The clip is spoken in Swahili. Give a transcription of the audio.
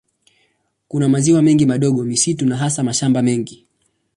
Kuna maziwa mengi madogo, misitu na hasa mashamba mengi.